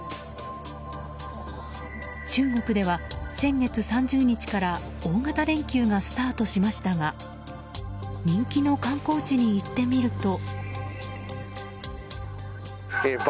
中国では先月３０日から大型連休がスタートしましたが人気の観光地に行ってみると。